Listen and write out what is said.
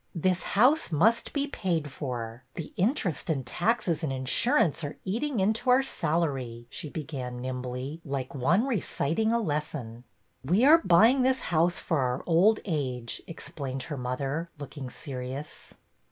This house must be paid for. The interest and taxes and insurance are eating into our salary," she began nimbly, like one reciting a lesson. "We are buying this house for our old age," explained her mother, looking serious.